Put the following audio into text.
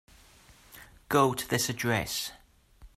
Go to this address.